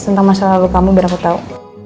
tentang masalah lupamu biar aku tau